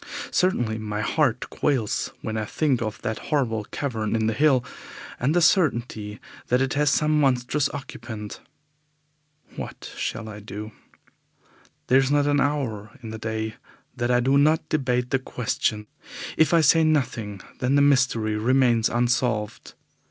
Certainly my heart quails when I think of that horrible cavern in the hill, and the certainty that it has some monstrous occupant. What shall I do? There is not an hour in the day that I do not debate the question. If I say nothing, then the mystery remains unsolved.